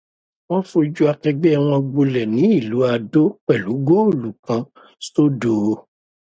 Wọ́n fi ojú akẹgbẹ́ wọn gbolẹ̀ ní ìlú Adó pẹ̀lú góòlù kan sódo